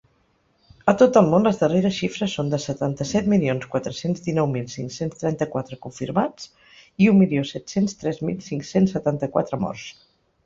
A tot el món, les darreres xifres són de setanta-set milions quatre-cents dinou mil cinc-cents trenta-quatre confirmats i un milió set-cents tres mil cinc-cents setanta-quatre morts.